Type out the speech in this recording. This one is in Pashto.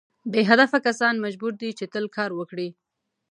بې هدفه کسان مجبور دي چې تل کار وکړي.